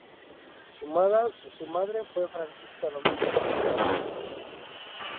Su madre fue Francisca Dominguez-de-la-Roche.